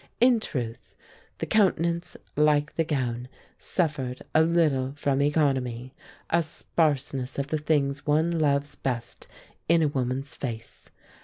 In truth, the countenance, like the gown, suffered a little from economy, a sparseness of the things one loves best in a woman's face.